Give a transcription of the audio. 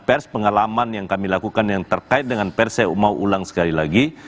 pers pengalaman yang kami lakukan yang terkait dengan pers saya mau ulang sekali lagi